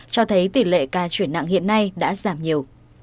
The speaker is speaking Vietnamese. cho thấy tỷ lệ ca chuyển nặng hiện nay đã giảm nhiều